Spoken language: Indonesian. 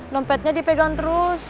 dompetnya dipegang terus